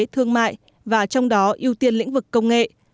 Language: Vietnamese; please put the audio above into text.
thương mại và trong đó ưu tiên lĩnh vực công nghệ